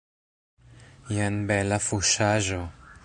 Jen bela fuŝaĵo!